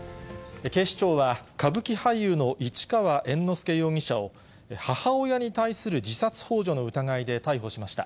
警視庁は、歌舞伎俳優の市川猿之助容疑者を、母親に対する自殺ほう助の疑いで逮捕しました。